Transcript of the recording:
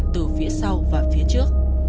từ phía sau và phía trước